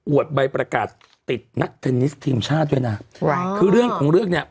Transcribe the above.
ใบประกาศติดนักเทนนิสทีมชาติด้วยนะคือเรื่องของเรื่องเนี้ย